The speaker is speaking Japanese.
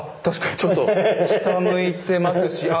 ちょっと下向いてますし。